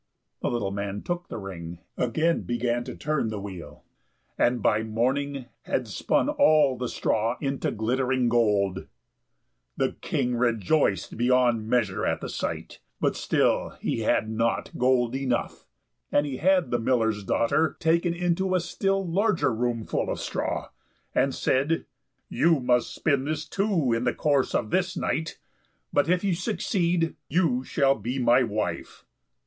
The little man took the ring, again began to turn the wheel, and by morning had spun all the straw into glittering gold. The King rejoiced beyond measure at the sight, but still he had not gold enough; and he had the miller's daughter taken into a still larger room full of straw, and said, "You must spin this, too, in the course of this night; but if you succeed, you shall be my wife."